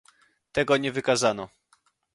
Tego nie wykazano